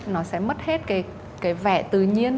nó sẽ mất hết cái vẽ tự nhiên